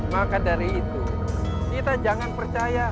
maka dari itu kita jangan percaya